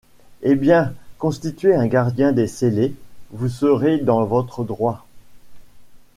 Eh! bien, constituez un gardien des scellés, vous serez dans votre droit.